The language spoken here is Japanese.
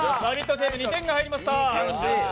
チーム２点が入りました！